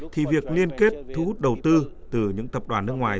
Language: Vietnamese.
thì việc liên kết thu hút đầu tư từ những tập đoàn nước ngoài